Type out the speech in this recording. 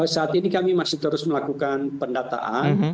saat ini kami masih terus melakukan pendataan